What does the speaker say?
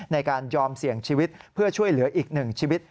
ในการยอมเสี่ยงชีวิตเพื่อช่วยเหลืออีกหนึ่งชีวิต